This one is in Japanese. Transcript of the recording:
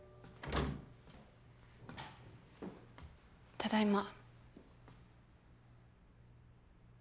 ただいま。